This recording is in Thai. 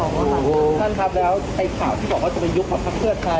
โอ้โฮท่านครับแล้วใครข่าวที่บอกว่าจะไปยุกภักษ์เพื่อใคร